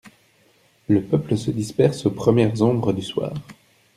Le peuple se disperse aux premières ombres du soir.